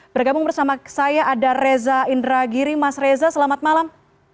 bergabung bersama saya ada reza indragiri mas reza selamat malam